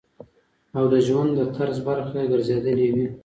او د ژوند د طرز برخه ئې ګرځېدلي وي -